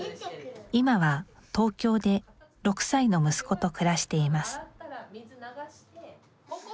今は東京で６歳の息子と暮らしています